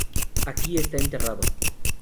Aquí está enterrado.